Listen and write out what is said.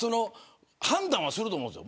判断は、すると思うんです。